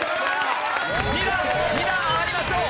２段２段上がりましょう。